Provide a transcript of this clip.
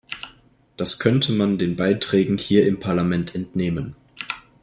Das könnte man den Beiträgen hier im Parlament entnehmen.